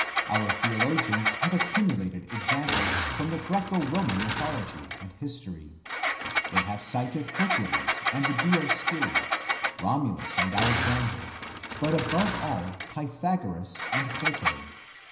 Our theologians have accumu lated examples from the Greco Roman mythology and history. They have cited Hercules, and the Dioscuri; Romulus, and Alexander; but above all Pythagoras," and Plato.